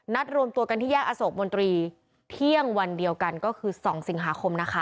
นัดรวมตัวกันที่ยากอโศกมงฤทธิ์เที่ยงวันเดียวกันคือ๒สิงหาคมนะคะ